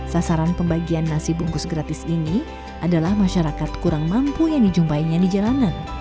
sasaran pembagian nasi bungkus gratis ini adalah masyarakat kurang mampu yang dijumpainya di jalanan